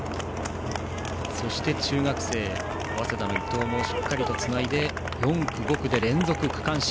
そして中学生早稲田の伊藤もしっかりとつないで４区、５区で連続区間新。